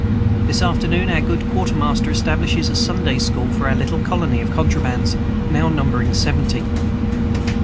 This afternoon our good quartermaster establishes a Sunday school for our little colony of 'contrabands,' now numbering seventy.